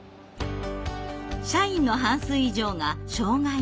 社員の半数以上が障害のある人。